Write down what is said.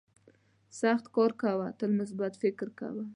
سخت کار کوه تل مثبت فکر کوه.